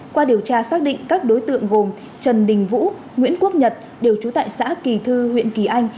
qua điều tra xác định các đối tượng gồm trần đình vũ nguyễn quốc nhật đều trú tại xã kỳ thư huyện kỳ anh